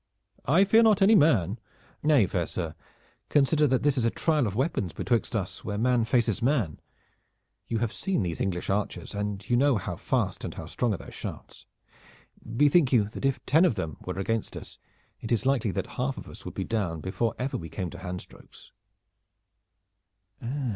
"I fear not any man." "Nay, fair sir, consider that this is a trial of weapons betwixt us where man faces man. You have seen these English archers, and you know how fast and how strong are their shafts. Bethink you that if ten of them were against us it is likely that half of us would be down before ever we came to handstrokes."